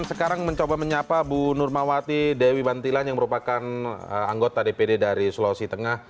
sekarang mencoba menyapa bu nurmawati dewi bantilan yang merupakan anggota dpd dari sulawesi tengah